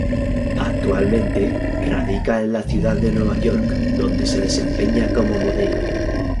Actualmente, radica en la ciudad de Nueva York donde se desempeña como modelo.